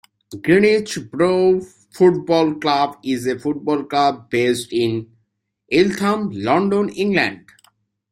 Greenwich Borough Football Club is a football club based in Eltham, London, England.